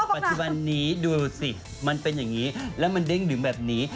ปัจจุบันนี้ดูสิมันเป็นอย่างนี้แล้วมันเด้งดึงแบบนี้